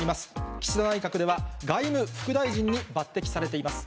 岸田内閣では外務副大臣に抜てきされています。